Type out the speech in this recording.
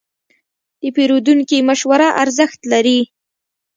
د پیرودونکي مشوره ارزښت لري.